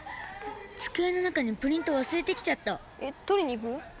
机の中にプリント忘れてきちゃった取りに行く？